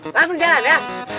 langsung jalan ya